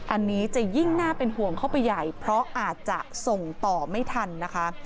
อันนี้จะยิ่งน่าเป็นห่วงเข้าไปใหญ่เพราะอาจจะส่งต่อไม่ทันนะคะ